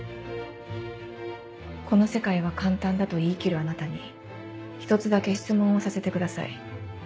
この世界は簡単だと言い切るあなたに一つだけ質問をさせてください。